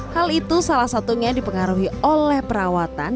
hal itu salah satunya dipengaruhi oleh perawatan